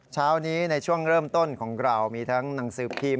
เช้านี้ในช่วงเริ่มต้นของเรามีทั้งหนังสือพิมพ์